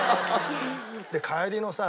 帰りのさ